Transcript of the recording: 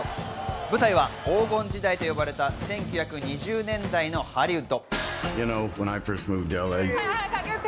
舞台は黄金時代と言われた１９２０年代のハリウッド。